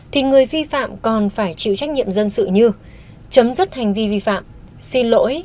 thì người vi phạm còn phải chịu trách nhiệm dân sự như chấm dứt hành vi vi phạm xin lỗi